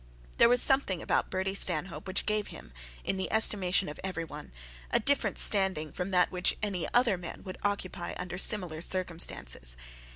There was something about Bertie Stanhope which gave him in the estimation of every one, a different standing from that which any other man would occupy under similar circumstances.